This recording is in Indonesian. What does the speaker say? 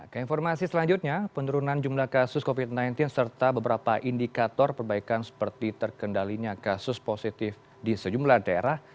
keinformasi selanjutnya penurunan jumlah kasus covid sembilan belas serta beberapa indikator perbaikan seperti terkendalinya kasus positif di sejumlah daerah